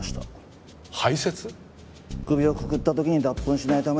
首をくくった時に脱糞しないためでしょう。